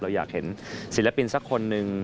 เราอยากเห็นศิลปินสักคนนึง